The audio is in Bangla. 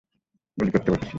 গুলি করতে বলেছি।